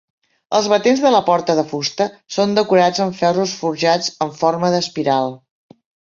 Els batents de la porta de fusta són decorats amb ferros forjats en forma d'espiral.